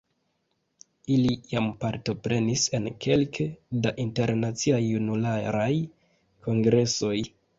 Ili jam partoprenis en kelke da Internaciaj Junularaj Kongresoj.